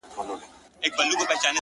o دا څنګه چل دی د ژړا او د خندا لوري ـ